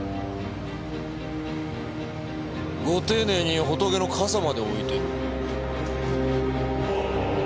ご丁寧にホトケの傘まで置いてる。